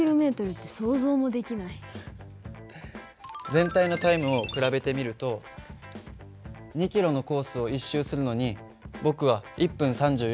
全体のタイムを比べてみると２キロのコースを１周するのに僕は１分３４秒。